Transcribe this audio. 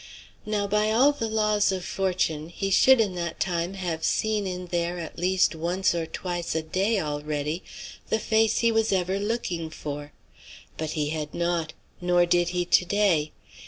Now, by all the laws of fortune he should in that time have seen in there at least once or twice a day already, the face he was ever looking for. But he had not; nor did he to day.